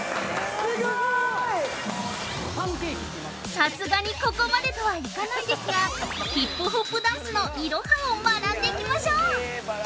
さすがにここまでとはいかないですが、ヒップホップダンスのいろはを学んでいきましょう！